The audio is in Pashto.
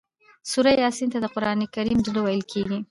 سورة یس ته د قران زړه ويل کيږي